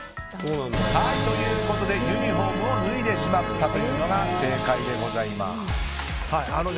ユニホームを脱いでしまったというのが正解でございます。